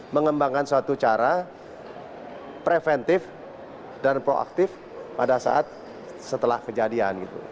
mengembangkan suatu cara preventif dan proaktif pada saat setelah kejadian